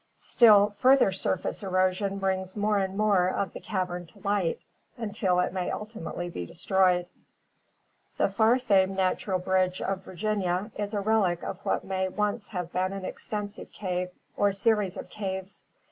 Still further surface erosion brings more and more of the cavern to light until it may ultimately be destroyed. The far famed natural bridge of Virginia is a relic of what may once have been an extensive cave or series of caves.